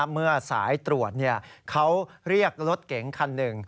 เมื่อสายตรวจเขาเรียกรถเก๋งคันหนึ่ง